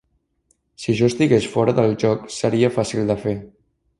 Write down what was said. Si jo estigués fora del joc, seria fàcil de fer.